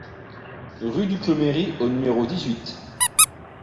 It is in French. Rue du Clos Méry au numéro dix-huit